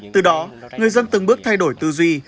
từ đó người dân từng bước thay đổi tư duy